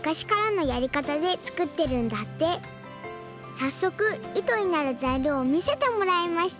さっそくいとになるざいりょうをみせてもらいました